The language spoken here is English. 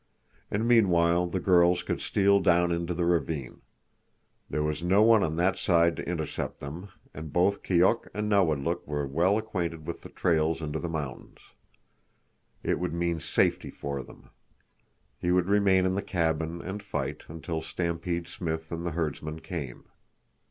And meanwhile the girls could steal down into the ravine. There was no one on that side to intercept them, and both Keok and Nawadlook were well acquainted with the trails into the mountains. It would mean safety for them. He would remain in the cabin, and fight, until Stampede Smith and the herdsmen came.